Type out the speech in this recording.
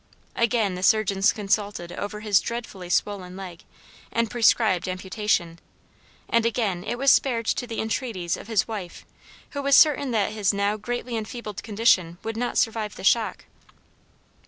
Again the surgeons consulted over his dreadfully swollen leg, and prescribed amputation; and again it was spared to the entreaties of his wife, who was certain that his now greatly enfeebled condition would not survive the shock.